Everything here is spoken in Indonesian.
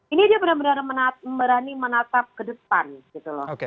ini aja benar benar berani menatap ke depan gitu loh